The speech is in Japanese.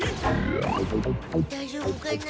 だいじょうぶかなあ？